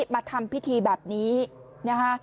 มาทำพิธีแบบนี้นะคะ